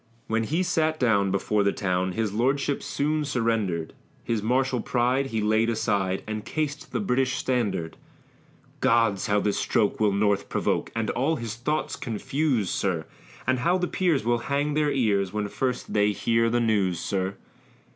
When he sat down before the town, His Lordship soon surrender'd; His martial pride he laid aside, And cas'd the British standard; Gods! how this stroke will North provoke, And all his thoughts confuse, sir! And how the Peers will hang their ears, When first they hear the news, sir.